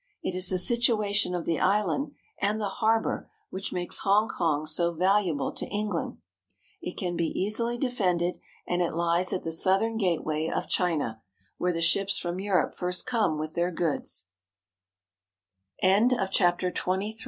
It is the situation of the island and the harbor which makes Hongkong so valu able to England. It can be easily defended, and it lies at the southern gateway of China, where the ships from Europe first come with their good